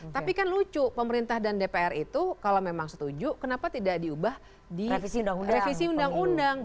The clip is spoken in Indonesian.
tapi kan lucu pemerintah dan dpr itu kalau memang setuju kenapa tidak diubah di revisi undang undang